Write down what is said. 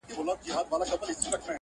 کورته راغلی وې او رانغلې له ور نه لاړې